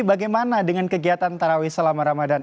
bagaimana dengan kegiatan tarawih selama ramadan